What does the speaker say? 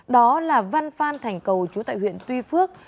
đó là văn phan thành cầu chú tại huyện tuy phước